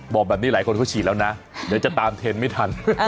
บอกแบบนี้หลายคนเขาฉีดแล้วนะเดี๋ยวจะตามเทรนด์ไม่ทัน